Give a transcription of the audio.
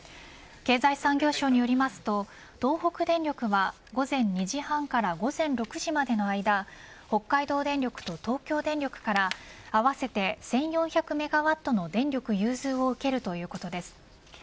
経済産業省によりますと東北電力は午前２時半から午前６時までの間北海道電力と東京電力から合わせて１４００メガワットの電力融通を受けるということです。